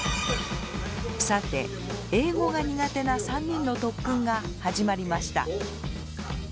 さて英語が苦手な３人の特訓が始まりました。